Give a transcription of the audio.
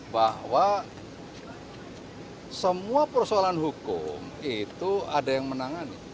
bahwa semua persoalan hukum itu ada yang menangani